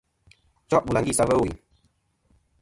Cho' bɨlàŋgi sɨ a va ɨwùyn.